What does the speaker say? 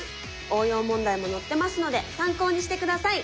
応用問題も載ってますので参考にして下さい。